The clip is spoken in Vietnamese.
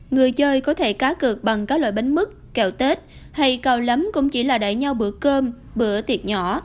người chơi có thể cá cược bằng các loại bánh mứt kẹo tết hay cao lắm cũng chỉ là đẩy nhau bữa cơm bữa tiệc nhỏ